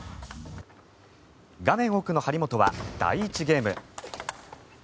画面奥の張本は第１ゲーム。